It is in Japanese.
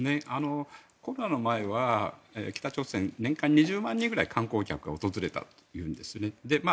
コロナの前は北朝鮮年間２０万人ぐらい観光客が訪れたというんです。